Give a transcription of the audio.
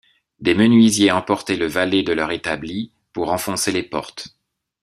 Des menuisiers emportaient le valet de leur établi « pour enfoncer les portes ».